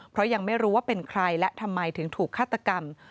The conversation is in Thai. เพราะยังไม่รู้ว่าเป็นใครและทำไมถึงถูกฆาตกรรม